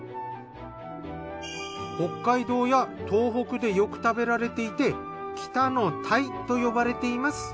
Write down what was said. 北海道や東北でよく食べられていて北の鯛と呼ばれています。